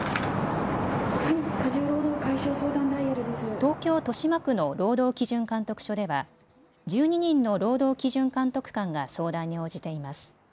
東京豊島区の労働基準監督署では１２人の労働基準監督官が相談に応じています。